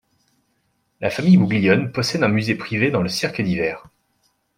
La famille Bouglione possède un musée privé de dans le Cirque d'Hiver.